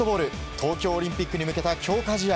東京オリンピックに向けた強化試合